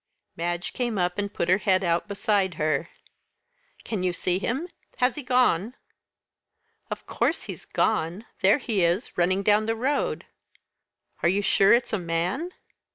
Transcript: Madge came up and put her head out beside her. "Can you see him? Has he gone?" "Of course he's gone there he is, running down the road." "Are you sure it's a man?"